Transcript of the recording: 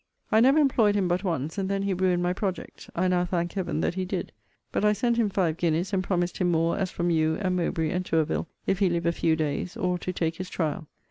I never employed him but once, and then he ruined my project. I now thank Heaven that he did. But I sent him five guineas, and promised him more, as from you, and Mowbray, and Tourville, if he live a few days, or to take his trial.